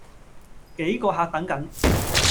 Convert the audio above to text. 幾個客等緊